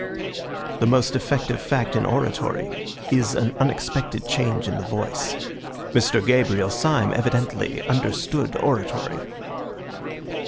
The most effective fact in oratory is an unexpected change in the voice. Mr. Gabriel Syme evidently understood oratory.